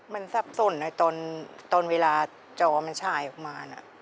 มันซับสนตอนเวลาจอมันฉายออกมา